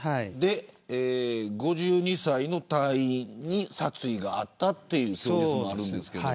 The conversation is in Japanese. ５２歳の隊員に殺意があったという供述もあるんですけど。